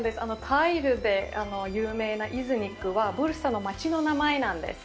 タイルで有名なイズニックは、ブルサの街の名前なんです。